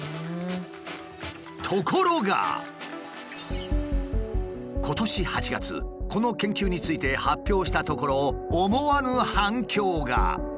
ところが今年８月この研究について発表したところ思わぬ反響が。